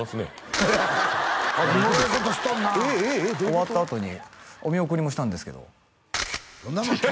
終わったあとにお見送りもしたんですけどいや